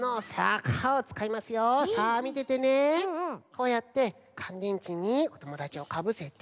こうやってかんでんちにおともだちをかぶせて。